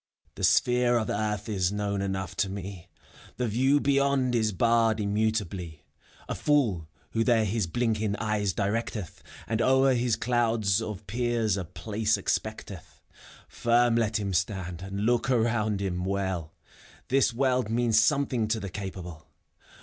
'he sphere of Earth is known enough to me ; 'he view beyond is barred immutably : ^A fool, who there his blinking eyes direeteth, And o'er his clouds of peers a place expectethj Firm let him stand, and lo6k around him well ! This World means something to the Capable.